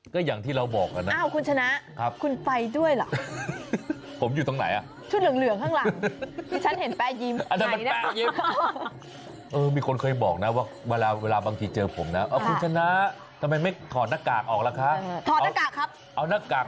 ก็อย่างที่เราบอกกันนะอ้าวคุณชนะคุณไปด้วยเหรอ